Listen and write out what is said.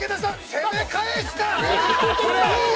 攻め返した。